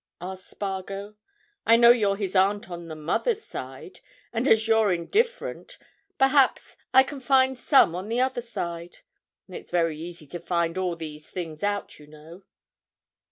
asked Spargo. "I know you're his aunt on the mother's side, and as you're indifferent perhaps, I can find some on the other side. It's very easy to find all these things out, you know."